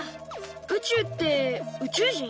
宇宙って宇宙人？